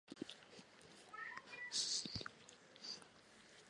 Crecido en Connecticut y California, Braxton es hijo de Anthony Braxton.